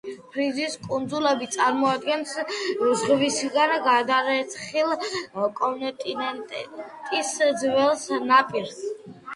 ფრიზის კუნძულები წარმოადგენს ზღვისგან გადარეცხილი კონტინენტის ძველ ნაპირს.